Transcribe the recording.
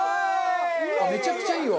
めちゃくちゃいいわ。